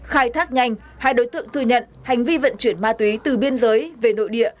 khai thác nhanh hai đối tượng thừa nhận hành vi vận chuyển ma túy từ biên giới về nội địa